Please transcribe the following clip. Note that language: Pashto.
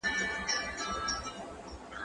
تکړښت د ښوونکي له خوا تنظيم کيږي!.